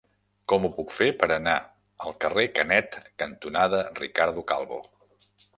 Com ho puc fer per anar al carrer Canet cantonada Ricardo Calvo?